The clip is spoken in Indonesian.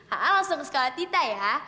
aa langsung ke sekolah tita ya